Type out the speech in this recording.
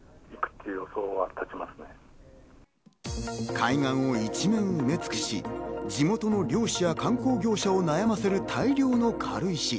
海岸一面を覆い尽くし、地元の漁師や観光業者を悩ませる大量の軽石。